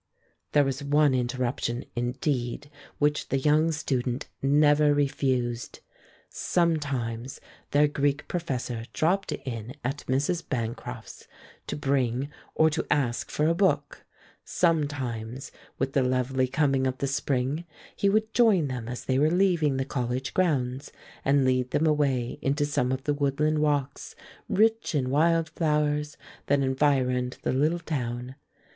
There was one interruption, indeed, which the young student never refused. Sometimes their Greek professor dropped in at Mrs. Bancroft's to bring or to ask for a book; sometimes, with the lovely coming of the spring, he would join them as they were leaving the college grounds, and lead them away into some of the woodland walks, rich in wild flowers, that environed the little town.